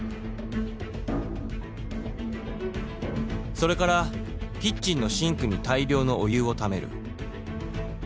それからキッチンのシンクに大量のお湯をためる。